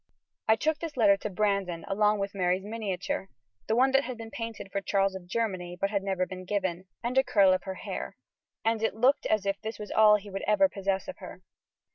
I took this letter to Brandon, along with Mary's miniature the one that had been painted for Charles of Germany, but had never been given and a curl of her hair, and it looked as if this was all he would ever possess of her.